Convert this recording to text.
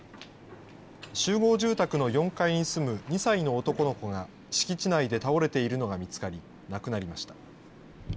集合住宅の４階に住む２歳の男の子が敷地内で倒れているのが見つかり、亡くなりました。